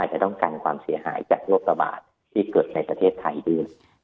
จะต้องกันความเสียหายจากโรคระบาดที่เกิดในประเทศไทยด้วย